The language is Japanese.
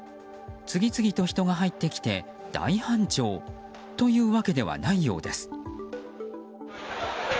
次々と人が入ってきて大繁盛というわけではないようです。